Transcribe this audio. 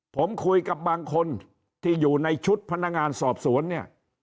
ผมคุยกับบางคนที่อยู่ในชุดพนักงานสอบสวนเนี่ย